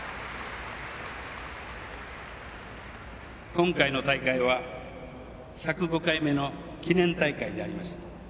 今回の大会は１０５回目の記念大会であります。